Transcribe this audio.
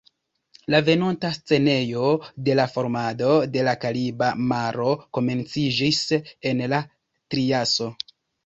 La venonta scenejo de la formado de la Kariba maro komenciĝis en la Triaso.